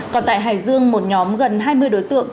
còn tại hải dương một nhóm gần hai triệu đồng